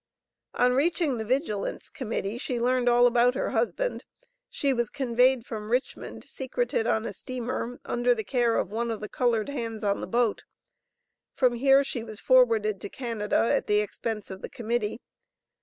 On reaching the Vigilance Committee she learned all about her husband. She was conveyed from Richmond secreted on a steamer under the care of one of the colored hands on the boat. From here she was forwarded to Canada at the expense of the Committee.